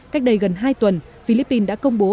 cách đây gần hai tuần philippines đã công bố